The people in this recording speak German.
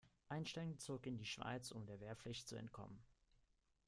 Einstein zog in die Schweiz, um der Wehrpflicht zu entkommen.